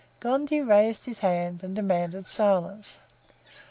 Gondy raised his hand and demanded silence.